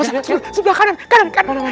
ustadz sebelah kanan kanan kanan